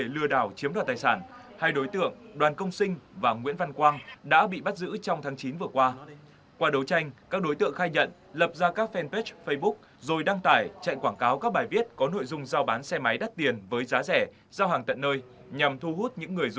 lừa đảo chiếm đoạt tài sản qua mạng xã hội dưới hình thức mua bán xe máy giá rẻ bị thu giữ